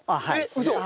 ウソ！